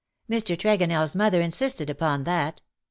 Mr. TregonelFs mother insisted upon that.